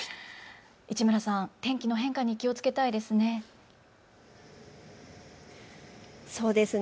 市村さん、天気の変化に気をつけたいですね。